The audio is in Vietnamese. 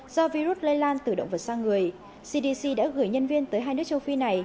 do virus lây lan từ động vật sang người cdc đã gửi nhân viên tới hai nước châu phi này